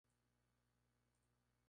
Más tarde, ilustró libros para niños.